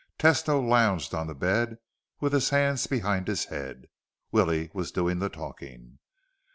Tesno lounged on the bed with his hands behind his head. Willie was doing the talking.